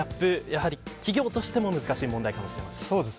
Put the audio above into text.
やはり、企業としても難しい問題かもしれません。